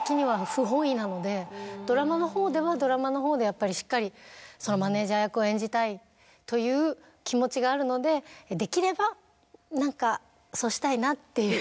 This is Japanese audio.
なのでドラマのほうではドラマのほうでやっぱりしっかりマネジャー役を演じたいという気持ちがあるのでできれば何かそうしたいなっていう。